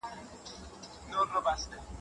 ادم لومړنی انسان و چي مځکي ته راغی.